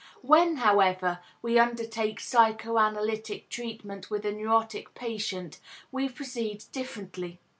When, however, we undertake psychoanalytic treatment with a neurotic patient we proceed differently.